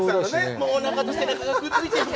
もうおなかと背中がくっついてて。